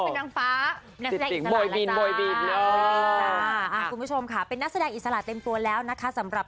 ทุกคุณผู้ชมเป็นนักแสดงอิสระเต็มตัวแล้วนะคะสำหรับ